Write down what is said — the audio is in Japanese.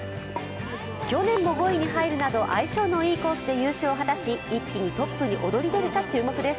去年も５位に入るなど相性のいいコースで優勝を果たし、一気にトップに躍り出るか注目です。